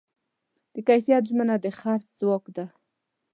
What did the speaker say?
د کیفیت ژمنه د خرڅ ځواک دی.